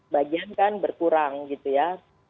bagian kan berkurang gitu ya